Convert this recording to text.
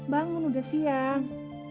bangun udah siang